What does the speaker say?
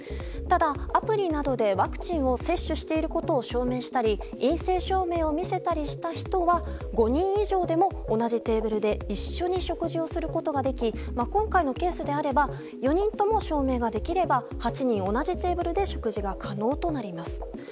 ただ、アプリなどでワクチンを接種していることを証明したり陰性証明を見せたりした人は５人以上でも同じテーブルで一緒に食事をすることができ今回のケースであれば４人とも証明ができれば８人同じテーブルで食事が可能となります。